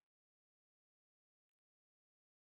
acing kos di rumah aku